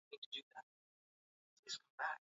We tumbo nitakupani, uwe umetosheka?